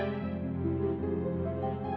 nggak usah pak